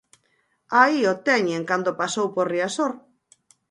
Aí o teñen cando pasou por Riazor.